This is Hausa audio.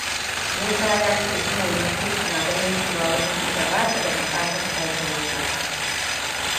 Musa ya ce Jummaitu na ganin cewa watakila bata da bukatar sake yin haka.